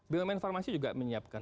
bumn farmasi juga menyiapkan